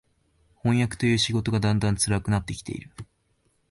飜訳という仕事がだんだん辛くなって来ている